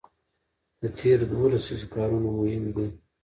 د تېرو دوو لسیزو کارونه مهم دي.